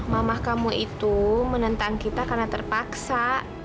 mamah kamu itu menentang kita karena terpaksa